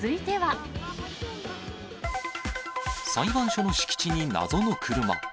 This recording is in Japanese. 裁判所の敷地に謎の車。